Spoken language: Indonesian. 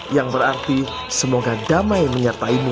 yang berarti semoga damai menyertai mu